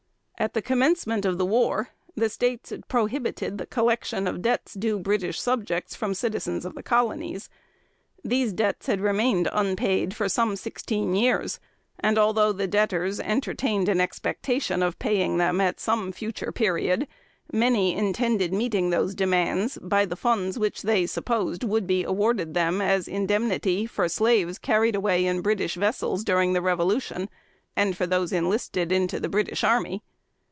At the commencement of the war, the States prohibited the collection of debts due British subjects from citizens of the Colonies. These debts had remained unpaid for some sixteen years; and although the debtors entertained an expectation of paying them at some future period, many intended meeting those demands by the funds which they supposed would be awarded them as indemnity for slaves carried away in British vessels during the Revolution, and for those enlisted into the British army.